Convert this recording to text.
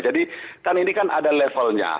jadi kan ini kan ada levelnya